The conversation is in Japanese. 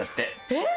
えっ？